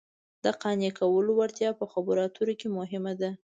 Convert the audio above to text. د قانع کولو وړتیا په خبرو اترو کې مهمه ده